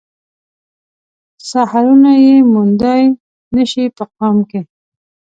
سحرونه يې موندای نه شي په قام کې